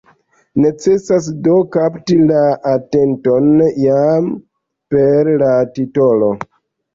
Necesas do kapti la atenton, jam per la titolo.